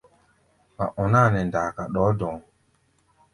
Wa ɔná a nɛ ndaaka ɗɔɔ́ dɔ̧ɔ̧́.